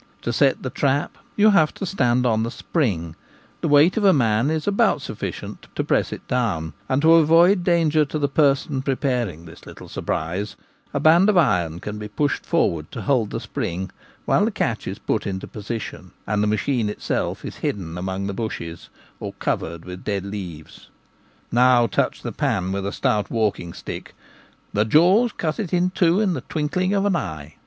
To set the trap you have to stand on the spring — the weight of a man is about sufficient to press it down ; and, to avoid danger to the person preparing this little surprise, a band of iron can be pushed forward to hold the spring while the catch is put into position, and the machine itself is hidden among the bushes or covered with dead leaves. Now touch the pan with a stout walking stick — the jaws cut it in two in the twinkling of an eye.